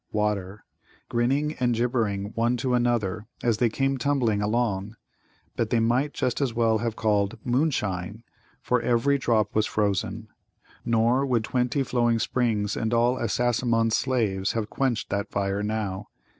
(water), grinning and gibbering one to another as they came tumbling along; but they might just as well have called "Moonshine!" for every drop was frozen. Nor would twenty flowing springs and all Assasimmon's slaves have quenched that fire now.